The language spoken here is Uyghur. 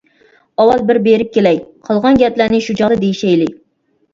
ئاۋۋال بىر بېرىپ كېلەي، قالغان گەپلەرنى شۇ چاغدا دېيىشەيلى.